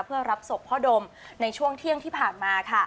เพื่อรับศพพ่อดมในช่วงเที่ยงที่ผ่านมาค่ะ